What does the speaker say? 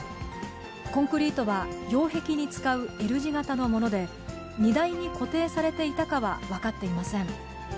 コンクリートは擁壁に使うＬ字型のもので、荷台に固定されていたかは分かっていません。